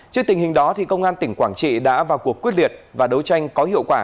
trước tình hình đó công an tỉnh quảng trị đã vào cuộc quyết liệt và đấu tranh có hiệu quả